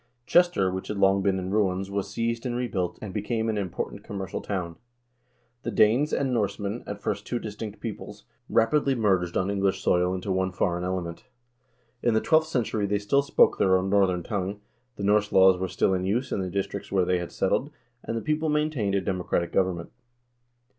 Chester, which had long been in ruins, was seized and rebuilt, and became an important commercial town. The Danes and Norsemen, at first two distinct peoples, rapidly merged on English soil into one foreign element. In the twelfth century they still spoke their own Northern tongue, the Norse laws were still in use in the districts where they had settled, and the people maintained a democratic government.